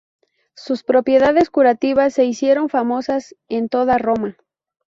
Sus propiedades curativas se hicieron famosas en toda Roma.